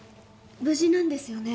無事なんですよね？